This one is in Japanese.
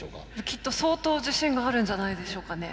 きっと相当自信があるんじゃないでしょうかね。